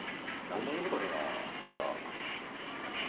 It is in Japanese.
何も言うことねえなじゃあ。